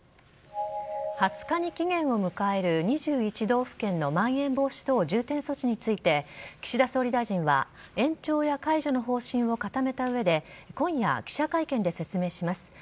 ２０日に期限を迎える２１道府県のまん延防止等重点措置について岸田総理大臣は延長や解除の方針を固めた上で今夜、記者会見で説明します。